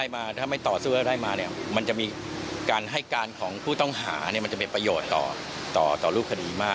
มันจะมีให้การของผู้ต้องหามาเป็นประโยชน์ต่อรูปคดีมาก